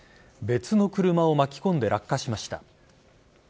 別の車を巻き込んで落下しました。